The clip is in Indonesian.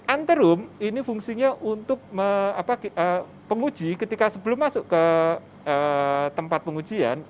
anterrum ini fungsinya untuk penguji ketika sebelum masuk ke tempat pengujian